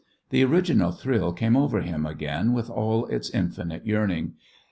The original thrill came over him again with all its infinite yearning.